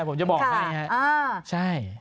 ผมจะบอกให้ฮะอ่าใช่